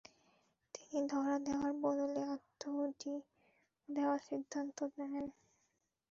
তিনি ধরা দেওয়ার বদলে আত্মাহুতি দেওয়ার সিদ্ধান্ত নেন।